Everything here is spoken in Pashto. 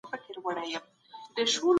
غچ مه اخلئ ځکه مستي یې تېریدونکي ده.